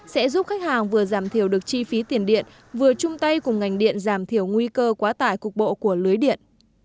sẽ giúp khách hàng vừa giảm thiểu được chi phí tiền điện vừa chung tay cùng ngành điện giảm thiểu nguy cơ quá tải cục bộ của lưới điện